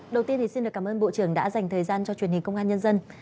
đầu tiên thì xin được cảm ơn bộ trưởng đã dành thời gian cho truyền hình công an nhân dân